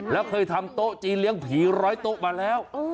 แล้วเคยทำโต๊ะจีนเลี้ยงผีร้อยโต๊ะมาแล้ว